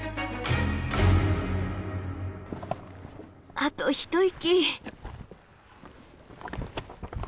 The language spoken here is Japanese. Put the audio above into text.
あと一息。